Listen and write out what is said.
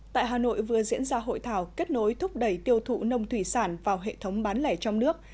tại hà nội vừa diễn ra hội thảo kết nối thúc đẩy tiêu thụ nông thủy sản vào hệ thống bán lẻ trong nước